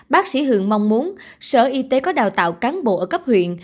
bác sĩ hường mong muốn sở y tế có đào tạo cán bộ ở cấp huyện